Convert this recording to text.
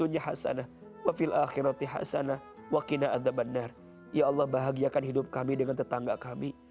ya allah bahagiakan hidup kami dengan tetangga kami